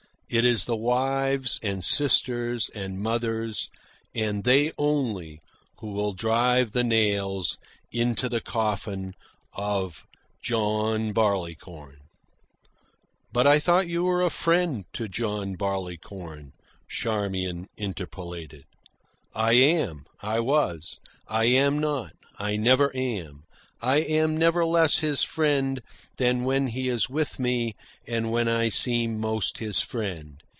"It is the wives, and sisters, and mothers, and they only, who will drive the nails into the coffin of John Barleycorn " "But I thought you were a friend to John Barleycorn," Charmian interpolated. "I am. I was. I am not. I never am. I am never less his friend than when he is with me and when I seem most his friend.